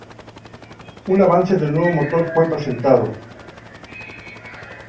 Un avance del nuevo motor fue presentado.